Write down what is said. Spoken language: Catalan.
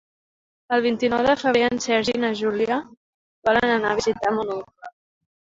El vint-i-nou de febrer en Sergi i na Júlia volen anar a visitar mon oncle.